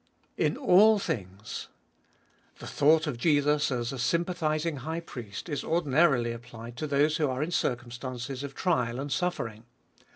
In all things ! The thought of Jesus as a sympathising High Priest, is ordinarily applied to those who are in circum stances of trial and suffering.